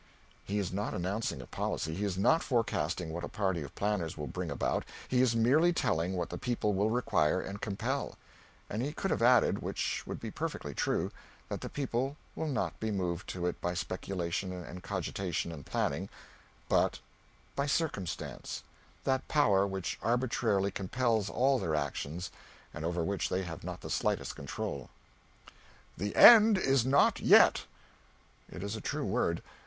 He is not announcing a policy; he is not forecasting what a party of planners will bring about; he is merely telling what the people will require and compel. And he could have added which would be perfectly true that the people will not be moved to it by speculation and cogitation and planning, but by Circumstance that power which arbitrarily compels all their actions, and over which they have not the slightest control. "The end is not yet." It is a true word.